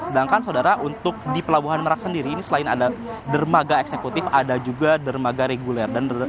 sedangkan saudara untuk di pelabuhan merak sendiri ini selain ada dermaga eksekutif ada juga dermaga reguler